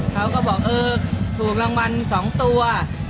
เขาก็บอกเออถูกรางวัล๒ตัว